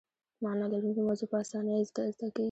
معنی لرونکې موضوع په اسانۍ زده کیږي.